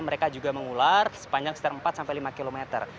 mereka juga mengular sepanjang sekitar empat sampai lima kilometer